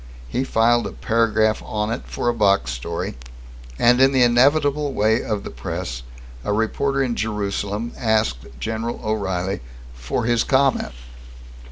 He filed a paragraph on it for a box story and, in the inevitable way of the press, a reporter in Jerusalem asked General O'Reilly for his comment.